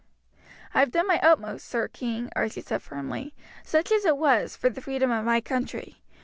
"I have done my utmost, sir king," Archie said firmly, "such as it was, for the freedom of my country.